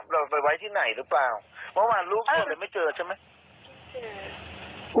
เราอยู่ไหนหรือเปล่าเมื่อวานลูกหนึ่งมาไม่เจอใช่ไหม